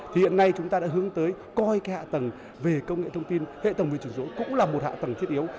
thì hiện nay chúng ta đã hướng tới coi hạ tầng về công nghệ thông tin hệ tầng về trường số cũng là một hạ tầng thiết yếu